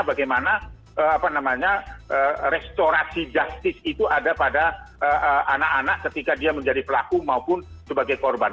bagaimana restorasi justice itu ada pada anak anak ketika dia menjadi pelaku maupun sebagai korban